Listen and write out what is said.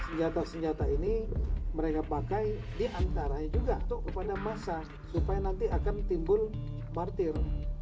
senjata senjata ini mereka pakai diantaranya juga untuk kepada massa supaya nanti akan timbul martir